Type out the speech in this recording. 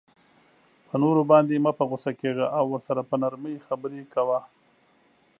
په نورو باندی مه په غصه کیږه او ورسره په نرمۍ خبری کوه